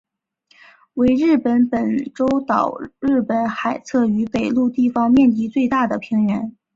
为日本本州岛日本海侧与北陆地方面积最大的平原。